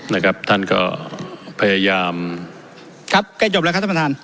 นะครับท่านก็พยายามครับใกล้จบแล้วครับท่านประธาน